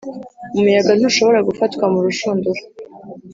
umuyaga ntushobora gufatwa mu rushundura.